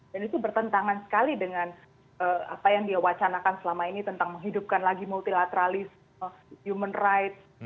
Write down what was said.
dan itu bertentangan sekali dengan apa yang dia wacanakan selama ini tentang menghidupkan lagi multilateralis human rights